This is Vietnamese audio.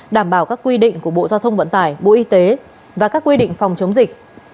đảm bảo các quy định của bộ giao thông vận tải bộ y tế và các quy định phòng chống dịch